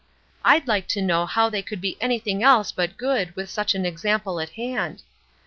I'd like to know how they could be anything else but good with such an example at hand.